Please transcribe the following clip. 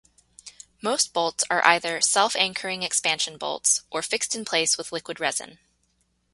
Most bolts are either self-anchoring expansion bolts or fixed in place with liquid resin.